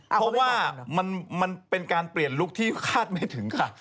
เพราะว่ามันเป็นการเปลี่ยนลุคที่คาดไม่ถึงค่ะ